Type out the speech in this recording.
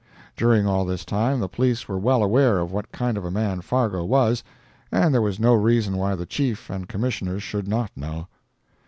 During all this time the police were well aware of what kind of a man Fargo was, and there is no reason why the Chief and Commissioners should not know.